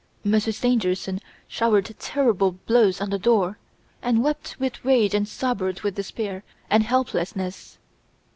Monsieur Stangerson showered terrible blows on the door, and wept with rage and sobbed with despair and helplessness.